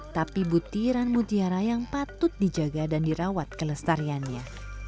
tapi butiran mutiara yang patut dijaga dan dirawat kelestariannya